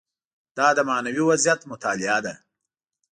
دا د معنوي وضعیت مطالعه ده.